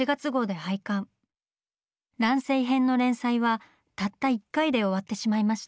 「乱世編」の連載はたった１回で終わってしまいました。